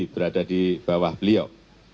berada di bawah beliau